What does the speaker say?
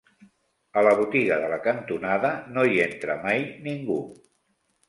A la botiga de la cantonada no hi entra mai ningú